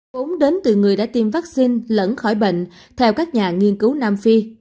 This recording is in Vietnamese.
gốm đến từ người đã tiêm vaccine lẫn khỏi bệnh theo các nhà nghiên cứu nam phi